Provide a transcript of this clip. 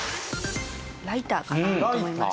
ライターかなと思いました。